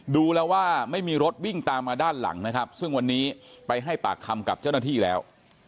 ดูแล้วว่าไม่มีรถวิ่งตามมาด้านหลังนะครับซึ่งวันนี้ไปให้ปากคำกับเจ้าหน้าที่แล้ว